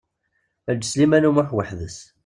Eǧǧ Sliman U Muḥ weḥd-s.